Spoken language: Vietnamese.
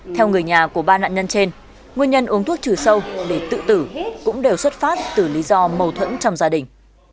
theo người nhà của ba nạn nhân trên nguyên nhân uống thuốc trừ sâu để tự tử cũng đều xuất phát từ lý do mâu thuẫn trong gia đình